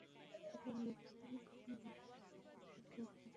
আপনার মেয়ে, স্ত্রী, বোন, মা, এটা যে কেউ হতে পারে।